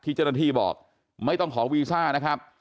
เจ้าหน้าที่บอกไม่ต้องขอวีซ่านะครับ